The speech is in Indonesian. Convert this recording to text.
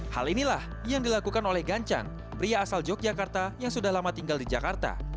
hal inilah yang dilakukan oleh ganjang pria asal yogyakarta yang sudah lama tinggal di jakarta